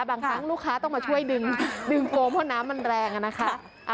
บางครั้งลูกค้าต้องมาช่วยดึงโฟมเพราะน้ำมันแรงอะนะคะ